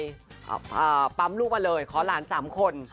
ครับปั๊มลูกมาเลยขอหลาน๓คน